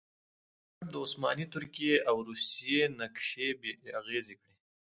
شاه اشرف د عثماني ترکیې او روسیې نقشې بې اغیزې کړې.